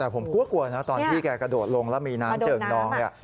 แต่ผมกลัวนะตอนที่แกกระโดดลงแล้วมีน้ำเจิ่งนองเนี่ย